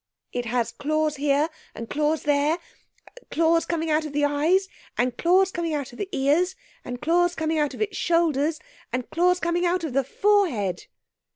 'It has claws here and claws there; claws coming out of the eyes; and claws coming out of the ears; and claws coming out of its shoulders; and claws coming out of the forehead!'